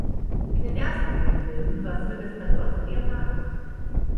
In den ersten fünf Filmen war Sylvester Groth ihr Partner.